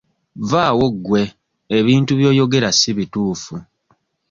Vvaawo gwe ebintu by'oyogera si bituufu.